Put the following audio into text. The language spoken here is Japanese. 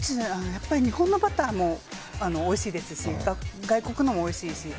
やっぱり日本のバターもおいしいですし外国のもおいしいし。